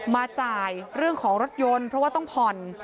จ่ายเรื่องของรถยนต์เพราะว่าต้องผ่อน